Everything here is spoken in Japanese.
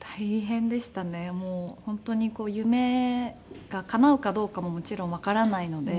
もう本当に夢がかなうかどうかももちろんわからないので。